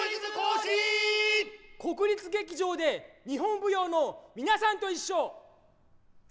国立劇場で日本舞踊のみなさんといっしょ。